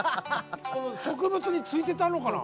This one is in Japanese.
植物についてたのかな？